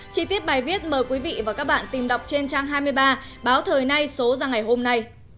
chi tiết bài viết mời quý vị và các bạn tìm đọc trên trang hai mươi ba báo thời nay số ra ngày hôm nay